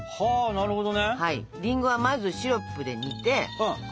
なるほど。